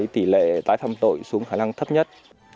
tỷ lệ tái phạm tội xuống khả năng thấp nhất